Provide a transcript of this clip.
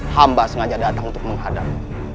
hamba sengaja datang untuk menghadap